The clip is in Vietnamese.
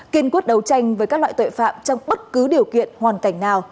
kiên quyết đấu tranh với các loại tội phạm trong bất cứ điều kiện hoàn cảnh nào